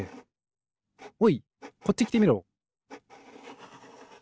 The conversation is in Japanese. おいこっちきてみろ。